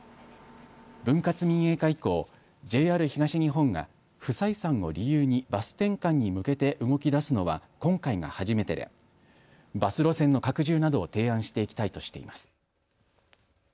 分割民営化以降ＪＲ東日本が不採算を理由にバス転換に向けて動きだすのは今回が初めてでバス路線の拡充などを提案していきたいとしています。